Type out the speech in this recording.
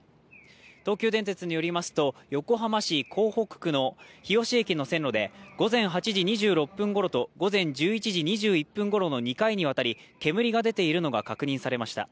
東急電鉄によりますと、横浜市港北区の日吉駅の線路で、午前８時６分ごろと、午前１１時２６分ごろの２回にわたり煙が出ているのが確認されました。